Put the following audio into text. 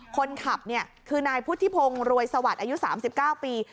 คนขับคือนายพุทธิพงศ์รวยสวัสดิ์อายุ๓๙ปี